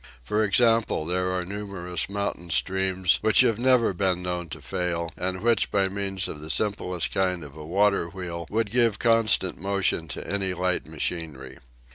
For example, there are numerous moun tain streams which have never been known to fail, and which by means of the simplest kind of a water wheel would give constant motion to any light machinery.